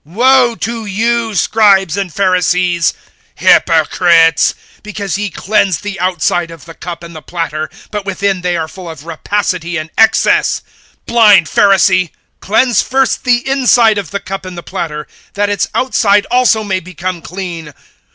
(25)Woe to you, scribes and Pharisees, hypocrites! because ye cleanse the outside of the cup and the platter, but within they are full of rapacity and excess. (26)Blind Pharisee! Cleanse first the inside of the cup and the platter, that its outside also may become clean.